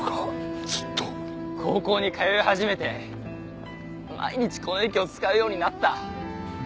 高校に通い始めて毎日この駅を使うようになった。